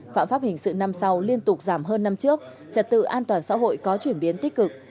phạm pháp hình sự năm sau liên tục giảm hơn năm trước trật tự an toàn xã hội có chuyển biến tích cực